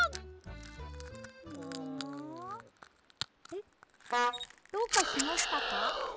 えっどうかしましたか？